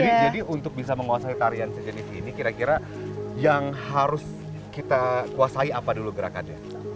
jadi untuk bisa menguasai tarian sejenis ini kira kira yang harus kita kuasai apa dulu gerakannya